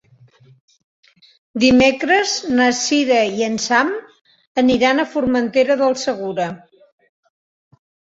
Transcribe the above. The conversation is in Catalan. Dimecres na Cira i en Sam aniran a Formentera del Segura.